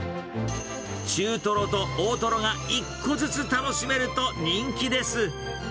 中トロと大トロが１個ずつ楽しめると人気です。